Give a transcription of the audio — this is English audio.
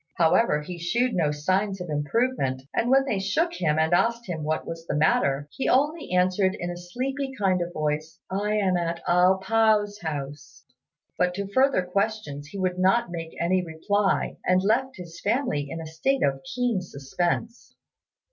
However, he shewed no signs of improvement; and when they shook him, and asked him what was the matter, he only answered in a sleepy kind of voice, "I am at A pao's house;" but to further questions he would not make any reply, and left his family in a state of keen suspense.